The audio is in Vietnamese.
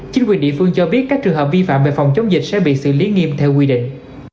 chính quyền địa phương cho biết các trường hợp vi phạm về phòng chống dịch sẽ bị xử lý nghiêm theo quy định